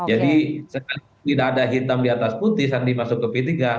jadi sekalian tidak ada hitam di atas putih sandi masuk ke p tiga